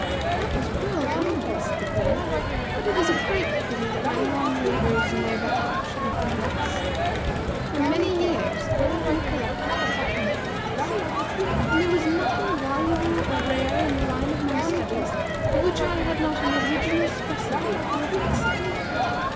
"That was well done," said the Queen; "but it is a great pity that my long labors in their behalf should have been lost. For many years I have been a collector of button holes; and there was nothing valuable or rare in the line of my studies of which I had not an original specimen or a facsimile.